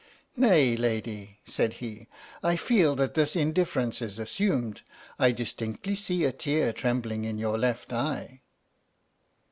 " Nay, lady," said he, " I feel that this indiffer ence is assumed. I distinctly see a tear trembling in your left eye."